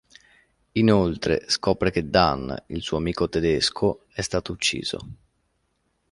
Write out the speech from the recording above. Inoltre scopre che Dan, il suo amico tedesco, è stato ucciso.